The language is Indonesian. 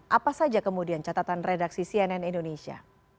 apa saja kemudian catatan redaksi cnn indonesia